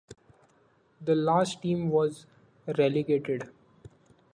The last team was relegated.